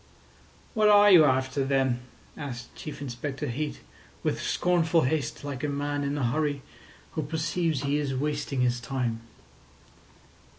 "What are you after, then?" asked Chief Inspector Heat, with scornful haste, like a man in a hurry who perceives he is wasting his time.